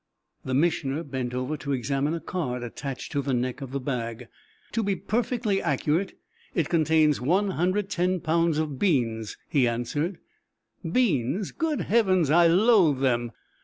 The Missioner bent over to examine a card attached to the neck of the bag. "To be perfectly accurate it contains 110 pounds of beans," he answered. "Beans! Great Heavens! I loathe them!"